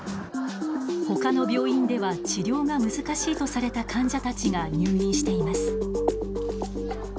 ほかの病院では治療が難しいとされた患者たちが入院しています。